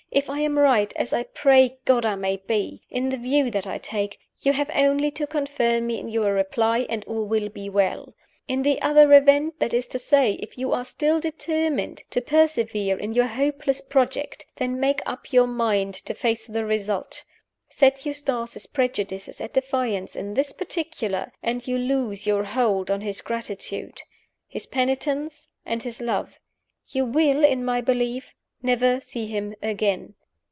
If I am right (as I pray God I may be) in the view that I take, you h ave only to confirm me in your reply, and all will be well. In the other event that is to say, if you are still determined to persevere in your hopeless project then make up your mind to face the result. Set Eustace's prejudices at defiance in this particular, and you lose your hold on his gratitude, his penitence, and his love you will, in my belief, never see him again.